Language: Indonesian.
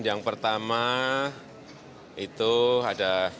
yang pertama itu ada